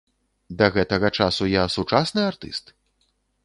Да гэтага часу я сучасны артыст?